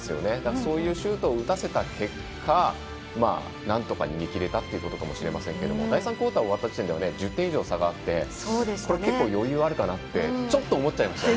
そういうシュートを打たせた結果なんとか逃げ切れたということかもしれませんけど第３クオーターが終わった時点で１０点以上差があって結構余裕があるかなってちょっと思っちゃいましたけど。